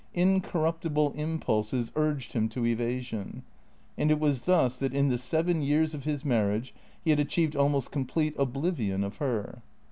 Incorruptible impulses urged him to evasion. And it was thus that in the seven years of his marriage he had achieved almost complete oblivion of her.